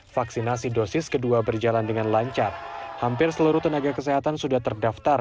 vaksinasi dosis kedua berjalan dengan lancar hampir seluruh tenaga kesehatan sudah terdaftar